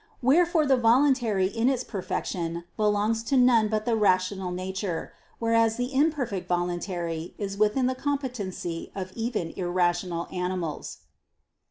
Wherefore the voluntary in its perfection belongs to none but the rational nature: whereas the imperfect voluntary is within the competency of even irrational animals.